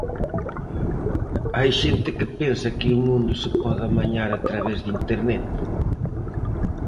Hai xente que pensa que o mundo se pode amañar a través de internet.